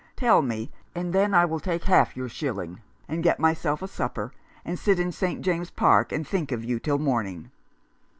Tell me, and then I will take half your shilling and get myself a supper, and sit in St. James's Park, and think of you till morning."